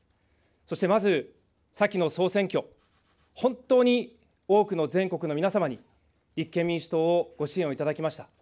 そしてまず、先の総選挙、本当に多くの全国の皆様に立憲民主党をご支援をいただきました。